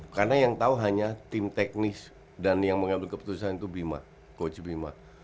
karena yang tau hanya tim teknis dan yang mengambil keputusan itu coach bima